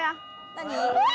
何？